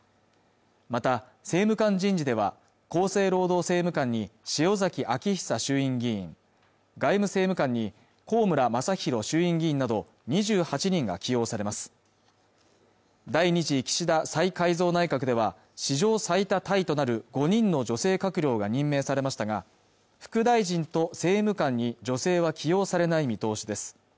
また政務官人事では厚生労働政務官に塩崎彰久衆院議員外務政務官に高村正大衆院議員など２８人が起用されます第２次岸田再改造内閣では史上最多タイとなる５人の女性閣僚が任命されましたが副大臣と政務官に女性は起用されない見通しです